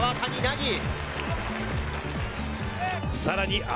さらに。